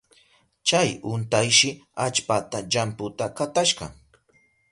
Chay untayshi allpata llamputa katashka.